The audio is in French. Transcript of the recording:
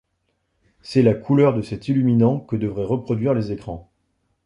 C'est la couleur de cet illuminant que devraient reproduire les écrans.